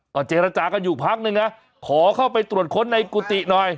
เจรจากันอยู่พักนึงนะขอเข้าไปตรวจค้นในกุฏิหน่อย